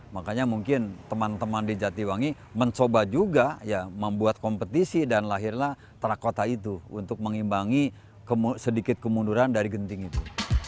makanya mungkin teman teman di jatiwangi mencoba juga ya membuat kompetisi dan lahirlah terakota itu untuk mengimbangi sedikit kemunduran dari genting itu